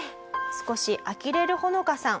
少しあきれるホノカさん。